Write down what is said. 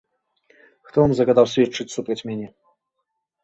Хто вам загадаў сведчыць супраць мяне?